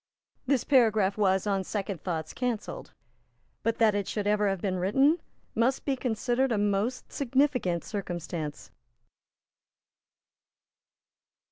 This paragraph was, on second thoughts, cancelled; but that it should ever have been written must be considered a most significant circumstance.